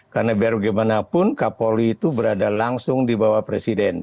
karena biar bagaimanapun kapolri itu berada langsung di bawah presiden